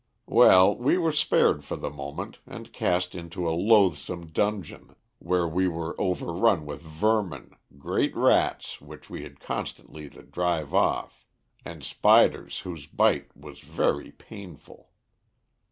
"Well, we were spared for the moment and cast into a loathsome dungeon, where we were overrun with vermin, great rats which we had constantly to drive off, and spiders whose bite was very painful.